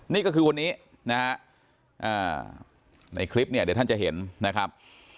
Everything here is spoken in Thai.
นี่ก็คือวันนี้นะฮะในคลิปเนี่ยเดี๋ยวท่านจะเห็นนะครับ